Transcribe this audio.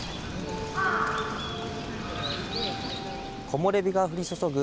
木漏れ日が降り注ぐ